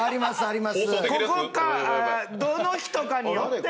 ここかどの人かによって。